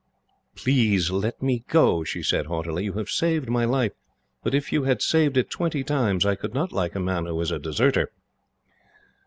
"Please let me go," she said haughtily. "You have saved my life, but if you had saved it twenty times, I could not like a man who is a deserter!"